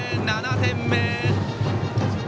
７点目！